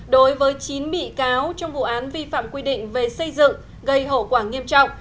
đối với chín bị cáo trong vụ án vi phạm quy định về xây dựng gây hậu quả nghiêm trọng